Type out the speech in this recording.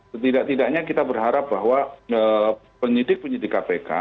setidak tidaknya kita berharap bahwa penyidik penyidik kpk